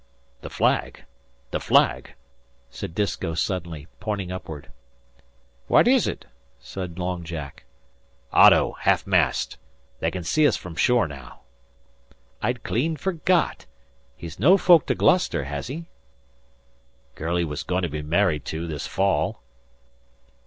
"The flag, the flag!" said Disko, suddenly, pointing upward. "What is ut?" said Long Jack. "Otto! Ha'af mast. They can see us frum shore now." "I'd clean forgot. He's no folk to Gloucester, has he?" "Girl he was goin' to be married to this fall."